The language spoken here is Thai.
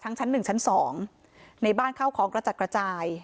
ชั้นหนึ่งชั้นสองในบ้านเข้าของกระจัดกระจาย